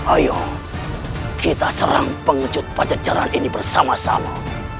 ayo kita serang pengecut pajak jalan ini bersama sama